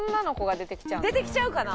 出てきちゃうかな？